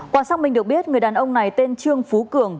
quả xác minh được biết người đàn ông này tên trương phú cường